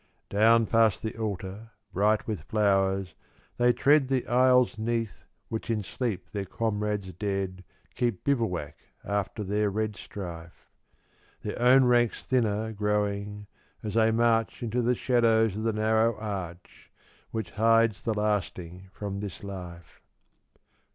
Down past the altar, bright with flowers, they tread The aisles 'neath which in sleep their comrades dead Keep bivouac after their red strife, Their own ranks thinner growing as they march Into the shadows of the narrow arch Which hides the lasting from this life.